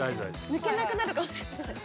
抜けなくなるかもしれない。